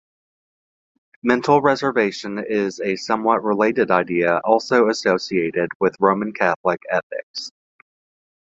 Mental reservation is a somewhat related idea also associated with Roman Catholic ethics.